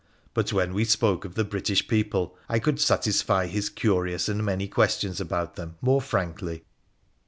But when we spoke of the British people, I could satisfy his curious and many questions about them more frankly.